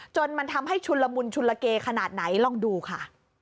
จนมันทำให้ชุนละมุนชุนละเกขนาดไหนลองดูค่ะ